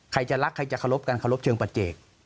ใครจะรักใครจะขอรบกันขอรบเชิงปัจเจก